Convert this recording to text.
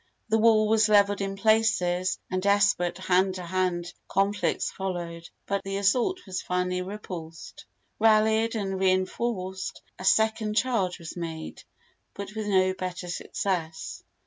The wall was leveled in places, and desperate hand to hand conflicts followed, but the assault was finally repulsed. Rallied and reinforced, a second charge was made, but with no better success.